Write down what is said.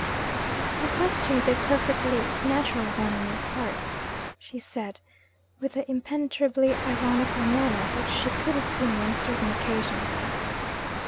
'The question is a perfectly natural one on your part,' she said, with the impenetrably ironical manner which she could assume on certain occasions.